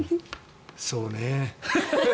そうね。